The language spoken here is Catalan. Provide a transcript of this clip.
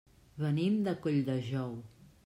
Venim de Colldejou.